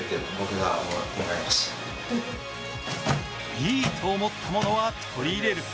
いいと思ったものは取り入れる。